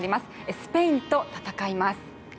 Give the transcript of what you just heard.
スペインと戦います。